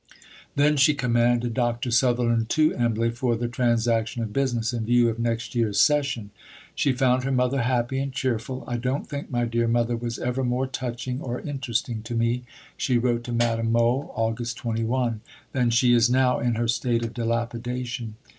Then she commanded Dr. Sutherland to Embley for the transaction of business in view of next year's session. She found her mother happy and cheerful. "I don't think my dear mother was ever more touching or interesting to me," she wrote to Madame Mohl (Aug. 21), "than she is now in her state of dilapidation.